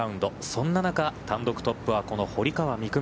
そんな中、単独トップはこの堀川未来